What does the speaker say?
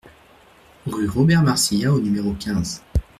Rue Robert Marcillat au numéro quinze